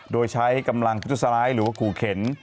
โดยใช้กำลังฟุตุสไลด์หรือว่าขู่เข็น